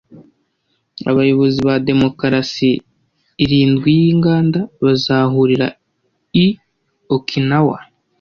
Abayobozi ba demokarasi irindwi y’inganda bazahurira i Okinawa